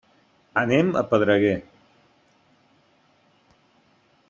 Anem a Pedreguer.